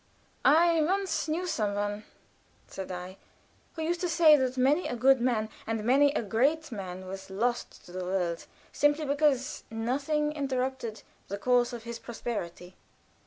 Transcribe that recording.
"I once knew some one," said I, "who used to say that many a good man and many a great man was lost to the world simply because nothing interrupted the course of his prosperity."